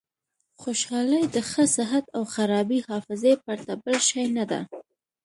خوشحالي د ښه صحت او خرابې حافظې پرته بل شی نه ده.